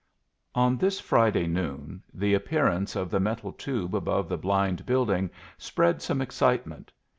On this Friday noon the appearance of the metal tube above the blind building spread some excitement.